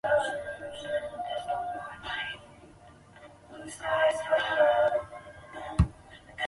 日本帝国海军也在他们诸如九二式重装甲车的装甲车辆上使用九七式。